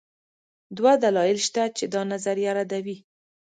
دوه دلایل شته چې دا نظریه ردوي.